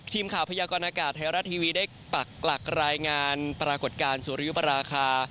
ทีมข่าวพระยากรณากาศไทยรัตทีวีได้ปรากฏรายงานปรากฏการณ์สวรรยุปราคา